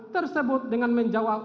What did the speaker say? tersebut dengan menjawab